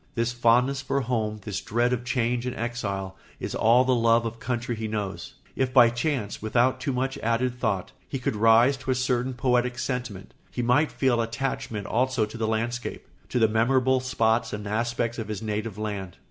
This fondness for home, this dread of change and exile, is all the love of country he knows. If by chance, without too much added thought, he could rise to a certain poetic sentiment, he might feel attachment also to the landscape, to the memorable spots and aspects of his native land.